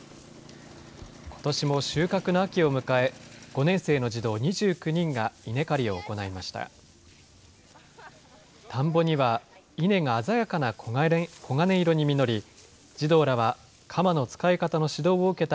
ことしも収穫の秋を迎え、５年生の児童２９人が稲刈りを行いました。